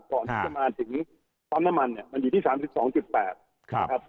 ก่อนที่จะมาถึงปั๊มน้ำมันมันอยู่ที่๓๒๘ปาก